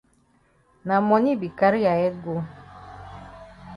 Na moni be carry ya head go.